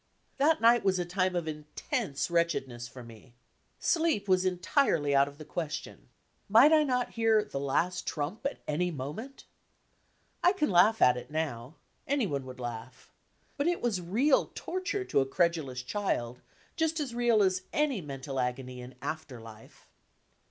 That night was a time of intense wretchedness for me. Steep was entirely out of the question. Might I not hear "the last trump" at any moment.' I can laugh at it now any one would laugh. But it was real torture to a credulous child, just as real as any mental agony in after life.